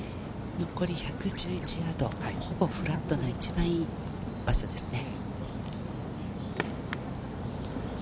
残り１１１ヤード、ほぼフラットな一番いい場所ですね。